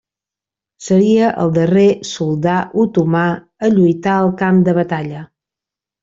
Seria el darrer soldà otomà a lluitar al camp de batalla.